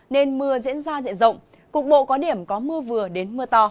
nên mưa diễn ra diện rộng cục bộ có điểm có mưa vừa đến mưa to